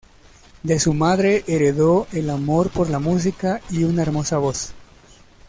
De su madre heredó el amor por la música y una hermosa voz.